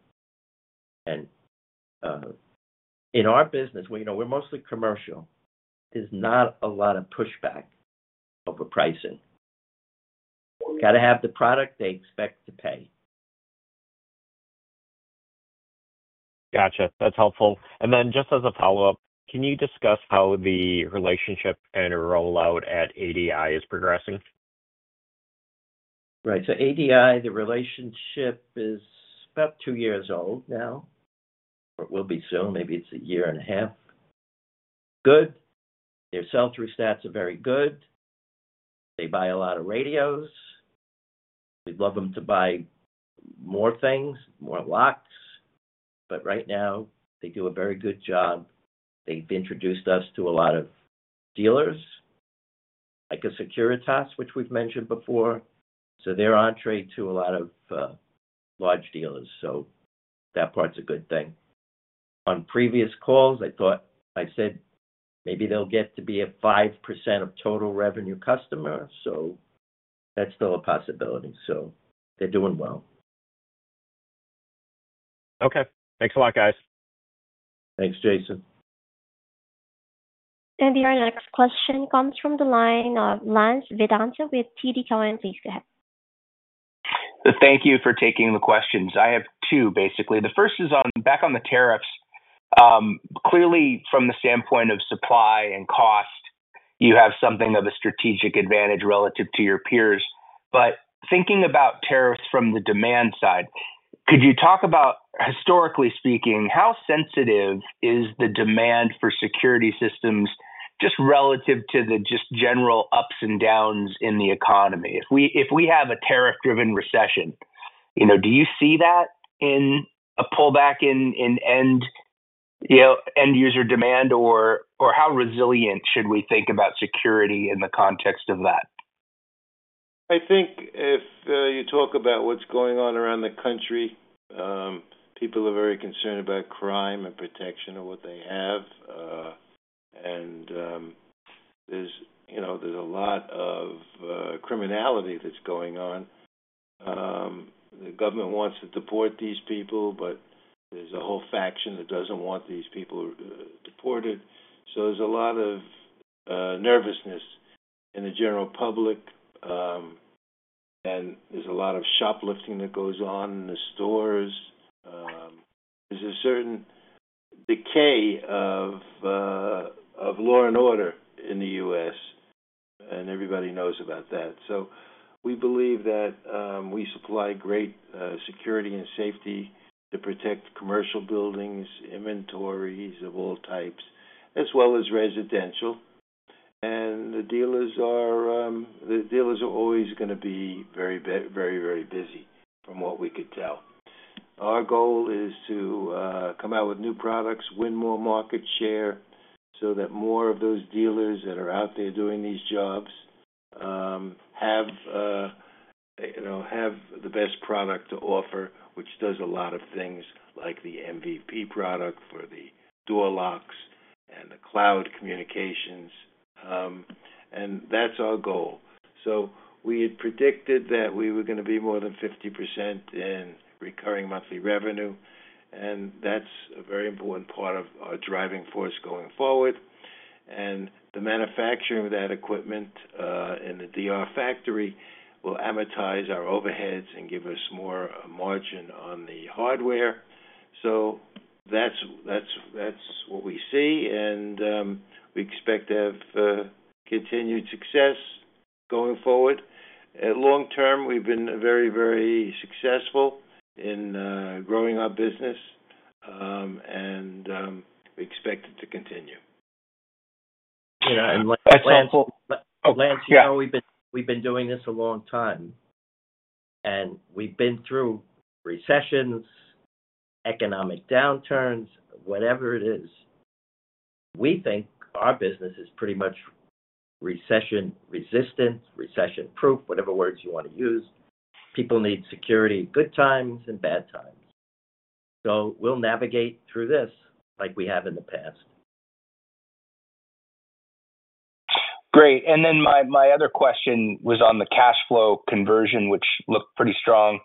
In our business, we're mostly commercial. There's not a lot of pushback over pricing. Got to have the product they expect to pay. Gotcha. That's helpful. Just as a follow-up, can you discuss how the relationship and rollout at ADI is progressing? Right. ADI, the relationship is about two years old now, or it will be soon. Maybe it's a year and a half. Good. Their sell-through stats are very good. They buy a lot of radios. We'd love them to buy more things, more locks. Right now, they do a very good job. They've introduced us to a lot of dealers, like a Securitas, which we've mentioned before. Their entree to a lot of large dealers, that part's a good thing. On previous calls, I thought I said maybe they'll get to be a 5% of total revenue customer. That's still a possibility. They're doing well. Okay. Thanks a lot, guys. Thanks, Jason. Your next question comes from the line of Lance Vitanza with TD Cowen. Please go ahead. Thank you for taking the questions. I have two, basically. The first is back on the tariffs. Clearly, from the standpoint of supply and cost, you have something of a strategic advantage relative to your peers. Thinking about tariffs from the demand side, could you talk about, historically speaking, how sensitive is the demand for security systems just relative to the just general ups and downs in the economy? If we have a tariff-driven recession, do you see that in a pullback in end-user demand, or how resilient should we think about security in the context of that? I think if you talk about what's going on around the country, people are very concerned about crime and protection of what they have. There is a lot of criminality that's going on. The government wants to deport these people, but there's a whole faction that doesn't want these people deported. There's a lot of nervousness in the general public. There's a lot of shoplifting that goes on in the stores. There's a certain decay of law and order in the U.S., and everybody knows about that. We believe that we supply great security and safety to protect commercial buildings, inventories of all types, as well as residential. The dealers are always going to be very, very, very busy, from what we could tell. Our goal is to come out with new products, win more market share so that more of those dealers that are out there doing these jobs have the best product to offer, which does a lot of things like the MVP product for the door locks and the cloud communications. That's our goal. We had predicted that we were going to be more than 50% in recurring monthly revenue. That's a very important part of our driving force going forward. The manufacturing of that equipment in the Dominican Republic factory will amortize our overheads and give us more margin on the hardware. That's what we see. We expect to have continued success going forward. Long term, we've been very, very successful in growing our business, and we expect it to continue. Yeah. Lance, you know we've been doing this a long time. We've been through recessions, economic downturns, whatever it is. We think our business is pretty much recession-resistant, recession-proof, whatever words you want to use. People need security, good times and bad times. We'll navigate through this like we have in the past. Great. My other question was on the cash flow conversion, which looked pretty strong.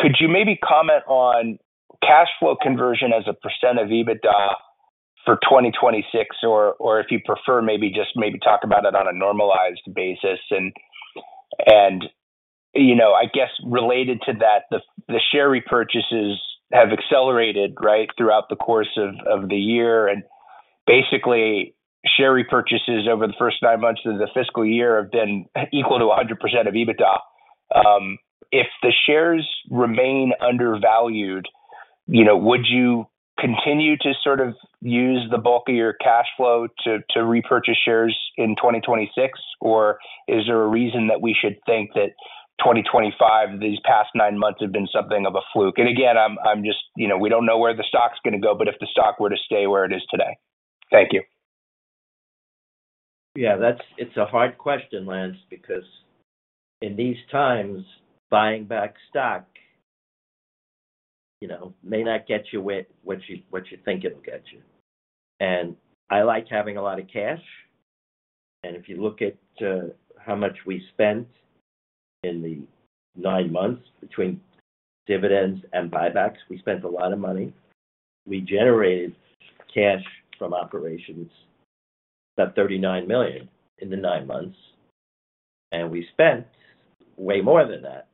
Could you maybe comment on cash flow conversion as a percent of EBITDA for 2026, or if you prefer, maybe just talk about it on a normalized basis? I guess related to that, the share repurchases have accelerated, right, throughout the course of the year. Basically, share repurchases over the first nine months of the fiscal year have been equal to 100% of EBITDA. If the shares remain undervalued, would you continue to sort of use the bulk of your cash flow to repurchase shares in 2026, or is there a reason that we should think that 2025, these past nine months have been something of a fluke? Again, we do not know where the stock is going to go, but if the stock were to stay where it is today. Thank you. Yeah. It's a hard question, Lance, because in these times, buying back stock may not get you what you think it'll get you. I like having a lot of cash. If you look at how much we spent in the nine months between dividends and buybacks, we spent a lot of money. We generated cash from operations about $39 million in the nine months, and we spent way more than that.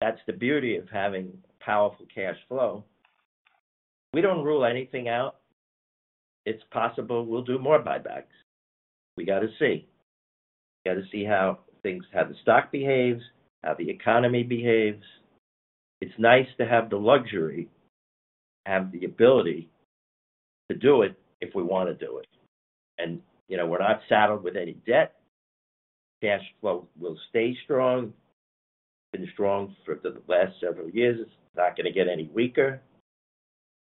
That's the beauty of having powerful cash flow. We don't rule anything out. It's possible we'll do more buybacks. We got to see. We got to see how things, how the stock behaves, how the economy behaves. It's nice to have the luxury, have the ability to do it if we want to do it. We're not saddled with any debt. Cash flow will stay strong. It's been strong for the last several years. It's not going to get any weaker.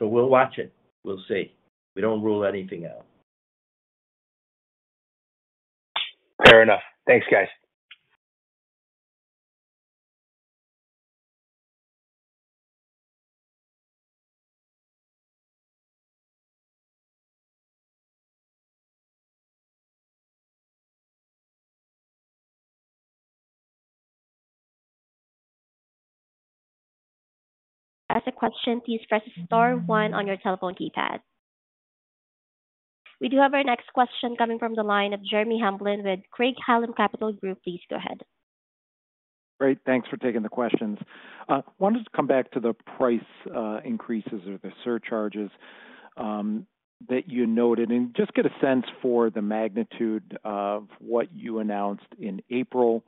We'll watch it. We'll see. We don't rule anything out. Fair enough. Thanks, guys. As a question, please press star one on your telephone keypad. We do have our next question coming from the line of Jeremy Hamblin with Craig-Hallum Capital Group. Please go ahead. Great. Thanks for taking the questions. I wanted to come back to the price increases or the surcharges that you noted and just get a sense for the magnitude of what you announced in April.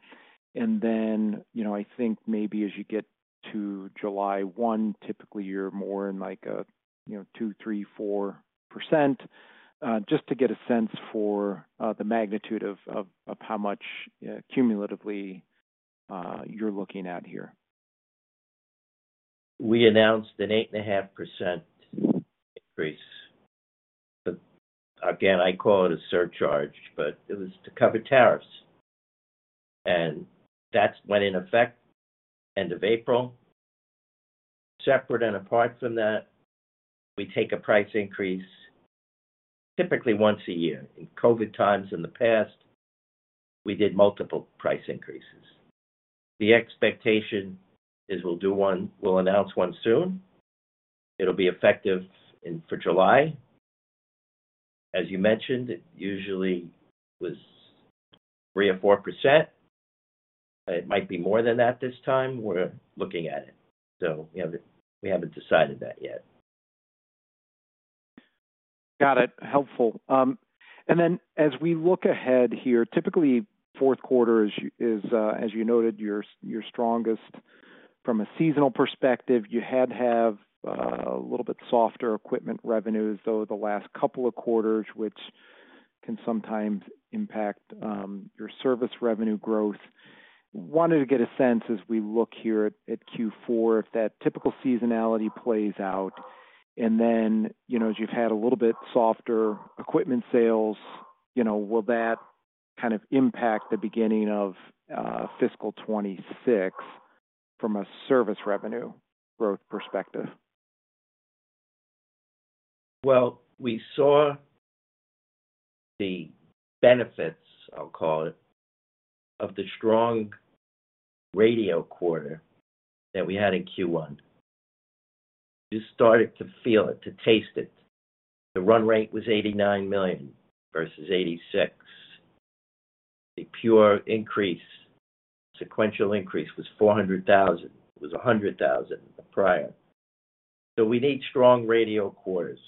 I think maybe as you get to July 1, typically you're more in like a 2, 3, 4% range. Just to get a sense for the magnitude of how much cumulatively you're looking at here. We announced an 8.5% increase. Again, I call it a surcharge, but it was to cover tariffs. That went in effect end of April. Separate and apart from that, we take a price increase typically once a year. In COVID times in the past, we did multiple price increases. The expectation is we'll announce one soon. It'll be effective for July. As you mentioned, it usually was 3% or 4%. It might be more than that this time. We're looking at it. We haven't decided that yet. Got it. Helpful. As we look ahead here, typically fourth quarter, as you noted, you're strongest. From a seasonal perspective, you had a little bit softer equipment revenues, though, the last couple of quarters, which can sometimes impact your service revenue growth. Wanted to get a sense as we look here at Q4 if that typical seasonality plays out. As you have had a little bit softer equipment sales, will that kind of impact the beginning of fiscal 2026 from a service revenue growth perspective? Well saw the benefits, I will call it, of the strong radio quarter that we had in Q1. You started to feel it, to taste it. The run rate was $89 million versus $86 million. The pure increase, sequential increase, was $400,000. It was $100,000 prior. We need strong radio quarters.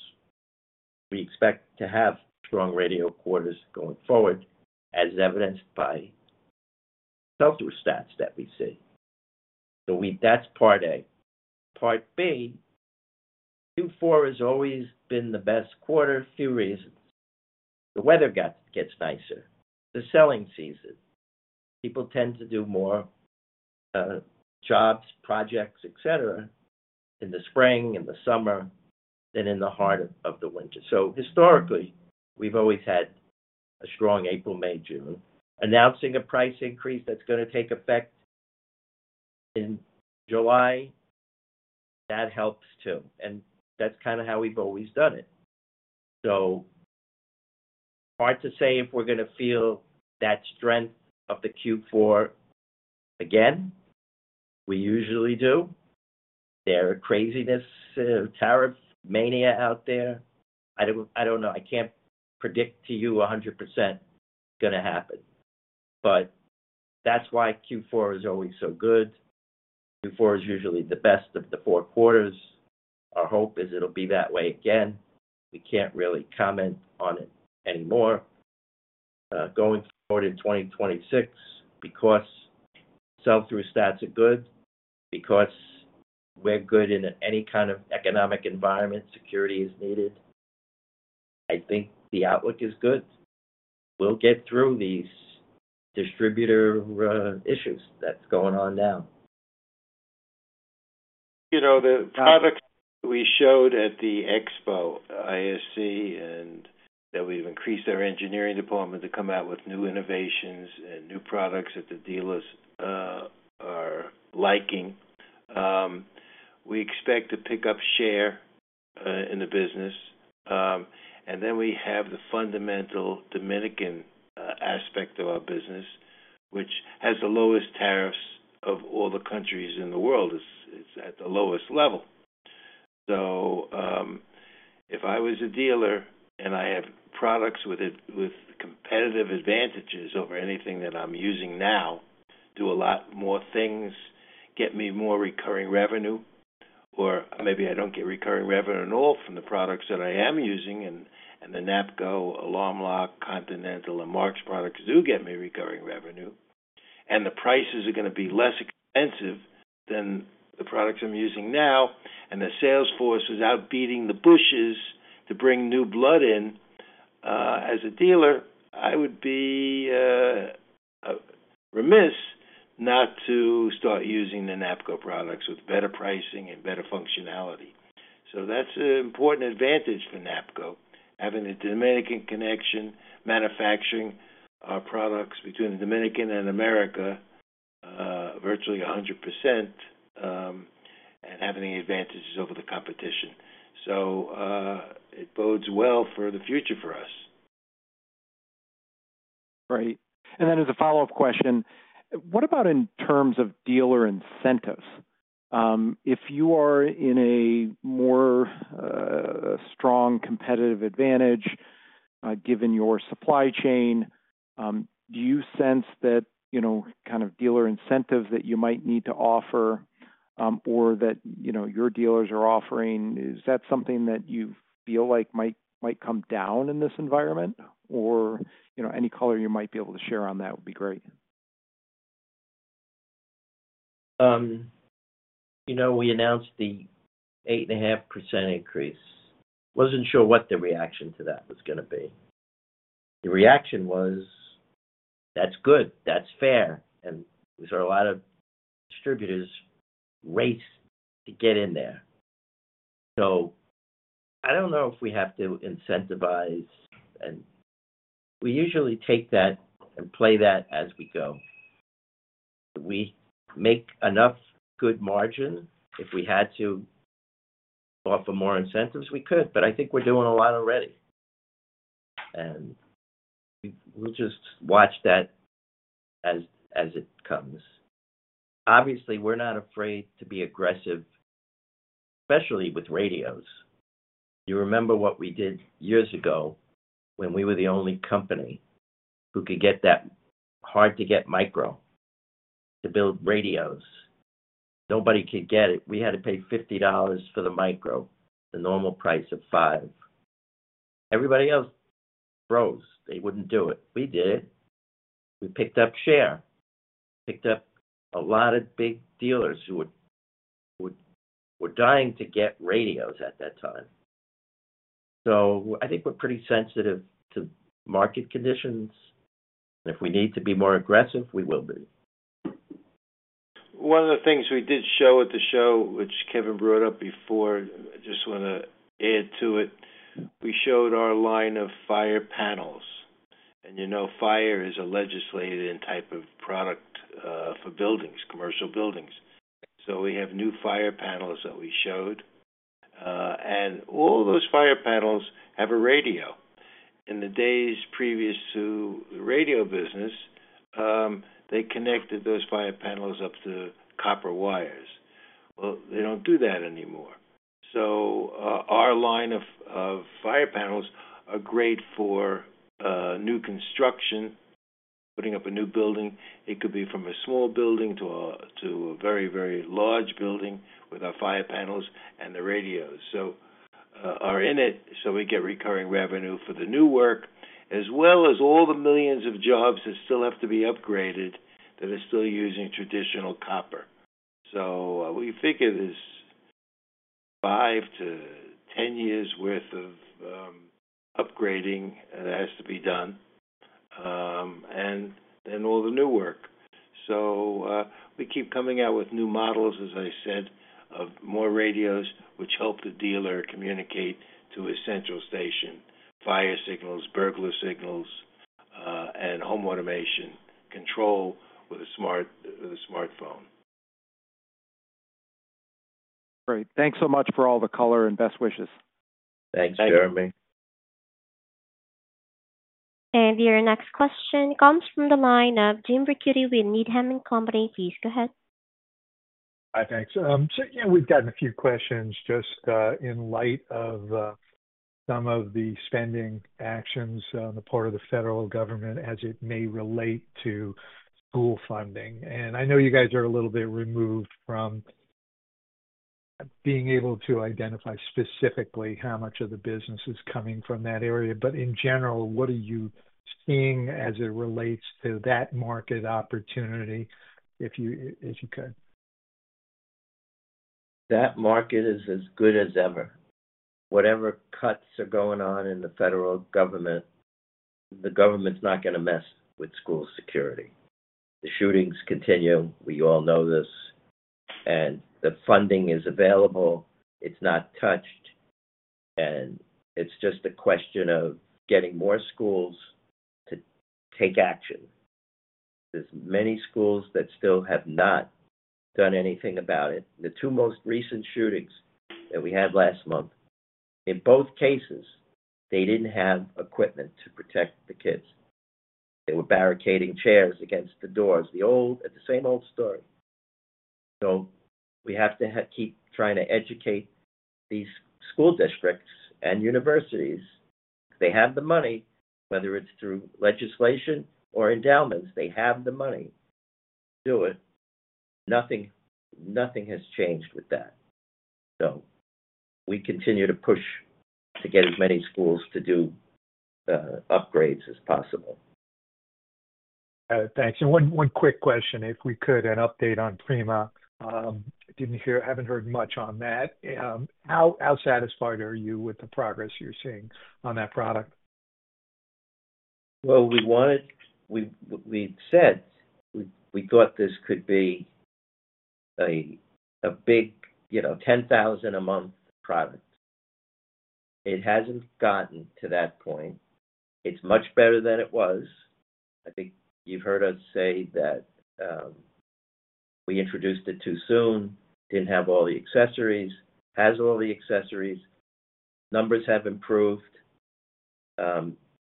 We expect to have strong radio quarters going forward, as evidenced by sell-through stats that we see. That is part A. Part B, Q4 has always been the best quarter for a few reasons. The weather gets nicer. The selling season. People tend to do more jobs, projects, etc., in the spring, in the summer than in the heart of the winter. Historically, we have always had a strong April, May, June. Announcing a price increase that's going to take effect in July, that helps too. That's kind of how we've always done it. Hard to say if we're going to feel that strength of the Q4 again. We usually do. There are craziness, tariff mania out there. I don't know. I can't predict to you 100% it's going to happen. That's why Q4 is always so good. Q4 is usually the best of the four quarters. Our hope is it'll be that way again. We can't really comment on it anymore. Going forward in 2026, because sell-through stats are good, because we're good in any kind of economic environment, security is needed, I think the outlook is good. We'll get through these distributor issues that's going on now. The product we showed at the expo, ISC, and that we've increased our engineering department to come out with new innovations and new products that the dealers are liking. We expect to pick up share in the business. We have the fundamental Dominican aspect of our business, which has the lowest tariffs of all the countries in the world. It's at the lowest level. If I was a dealer and I have products with competitive advantages over anything that I'm using now, do a lot more things, get me more recurring revenue, or maybe I don't get recurring revenue at all from the products that I am using. The NAPCO, Alarm Lock, Continental, and Marks products do get me recurring revenue. The prices are going to be less expensive than the products I'm using now. The sales force is out beating the bushes to bring new blood in. As a dealer, I would be remiss not to start using the NAPCO products with better pricing and better functionality. That is an important advantage for NAPCO, having a Dominican connection, manufacturing our products between the Dominican and America, virtually 100%, and having the advantages over the competition. It bodes well for the future for us. Great. As a follow-up question, what about in terms of dealer incentives? If you are in a more strong competitive advantage, given your supply chain, do you sense that kind of dealer incentives that you might need to offer or that your dealers are offering, is that something that you feel like might come down in this environment? Any color you might be able to share on that would be great. We announced the 8.5% increase. Wasn't sure what the reaction to that was going to be. The reaction was, "That's good. That's fair." We saw a lot of distributors race to get in there. I don't know if we have to incentivize. We usually take that and play that as we go. We make enough good margin. If we had to offer more incentives, we could. I think we're doing a lot already. We'll just watch that as it comes. Obviously, we're not afraid to be aggressive, especially with radios. You remember what we did years ago when we were the only company who could get that hard-to-get micro to build radios. Nobody could get it. We had to pay $50 for the micro, the normal price of five. Everybody else froze. They wouldn't do it. We did it. We picked up share. We picked up a lot of big dealers who were dying to get radios at that time. I think we're pretty sensitive to market conditions. If we need to be more aggressive, we will be. One of the things we did show at the show, which Kevin brought up before, I just want to add to it. We showed our line of fire panels. Fire is a legislated type of product for buildings, commercial buildings. We have new fire panels that we showed. All those fire panels have a radio. In the days previous to the radio business, they connected those fire panels up to copper wires. They don't do that anymore. Our line of fire panels are great for new construction, putting up a new building. It could be from a small building to a very, very large building with our fire panels and the radios. We get recurring revenue for the new work, as well as all the millions of jobs that still have to be upgraded that are still using traditional copper. We figure there's 5 to 10 years' worth of upgrading that has to be done, and then all the new work. We keep coming out with new models, as I said, of more radios, which help the dealer communicate to a central station, fire signals, burglar signals, and home automation control with a smartphone. Great. Thanks so much for all the color and best wishes. Thanks, Jeremy. Your next question comes from the line of Jim Ricchiuti with Needham & Company. Please go ahead. Hi, thanks. We've gotten a few questions just in light of some of the spending actions on the part of the federal government as it may relate to school funding. I know you guys are a little bit removed from being able to identify specifically how much of the business is coming from that area. In general, what are you seeing as it relates to that market opportunity if you could? That market is as good as ever. Whatever cuts are going on in the federal government, the government's not going to mess with school security. The shootings continue. We all know this. The funding is available. It's not touched. It's just a question of getting more schools to take action. There are many schools that still have not done anything about it. The two most recent shootings that we had last month, in both cases, they didn't have equipment to protect the kids. They were barricading chairs against the doors. It's the same old story. We have to keep trying to educate these school districts and universities. They have the money, whether it's through legislation or endowments. They have the money to do it. Nothing has changed with that. We continue to push to get as many schools to do upgrades as possible. Thanks. One quick question, if we could, an update on Prima. I haven't heard much on that. How satisfied are you with the progress you're seeing on that product? We said we thought this could be a big 10,000-a-month product. It hasn't gotten to that point. It's much better than it was. I think you've heard us say that we introduced it too soon, didn't have all the accessories, has all the accessories. Numbers have improved.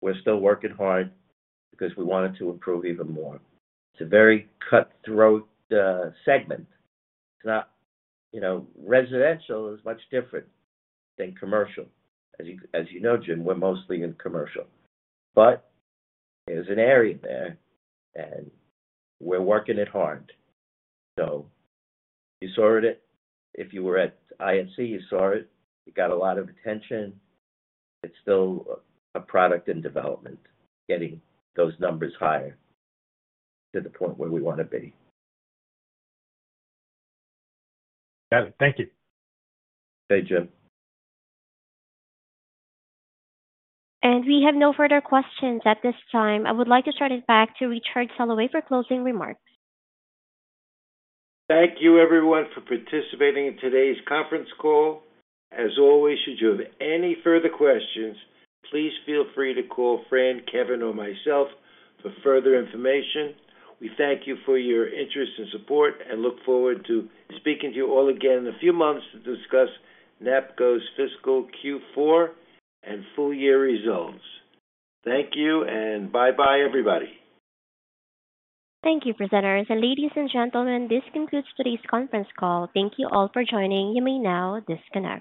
We're still working hard because we wanted to improve even more. It's a very cut-throat segment. Residential is much different than commercial. As you know, Jim, we're mostly in commercial. There is an area there, and we're working it hard. You saw it. If you were at ISC, you saw it. You got a lot of attention. It's still a product in development, getting those numbers higher to the point where we want to be. Got it. Thank you. Thank you, Jim. We have no further questions at this time. I would like to turn it back to Richard Soloway for closing remarks. Thank you, everyone, for participating in today's conference call. As always, should you have any further questions, please feel free to call Fran, Kevin, or myself for further information. We thank you for your interest and support and look forward to speaking to you all again in a few months to discuss NAPCO's fiscal Q4 and full-year results. Thank you, and bye-bye, everybody. Thank you, presenters. Ladies and gentlemen, this concludes today's conference call. Thank you all for joining. You may now disconnect.